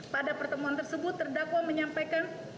pada pertemuan tersebut terdakwa menyampaikan